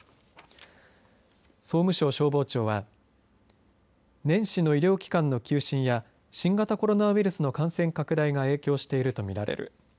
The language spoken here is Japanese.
総務省消防庁は年始の医療機関の休診や新型コロナウイルスの感染拡大が影響していると見られる。